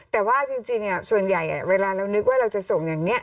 แต่ว่าจริงส่วนใหญ่เวลาเรานึกว่าเราจะส่งอย่างนี้